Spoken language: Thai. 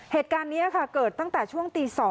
เหตุการณ์นี้ค่ะเกิดตั้งแต่ช่วงตี๒